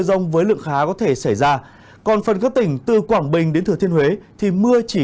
rông với lượng khá có thể xảy ra còn phần các tỉnh từ quảng bình đến thừa thiên huế thì mưa chỉ